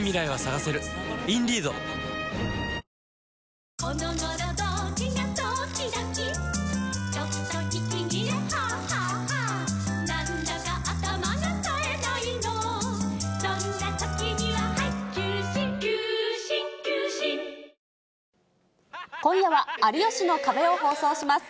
わかるぞ今夜は有吉の壁を放送します。